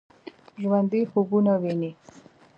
ژوندي خوبونه ويني